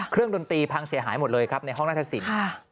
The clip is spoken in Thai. เครื่องดนตรีพังเสียหายหมดเลยครับในห้องนักศาสน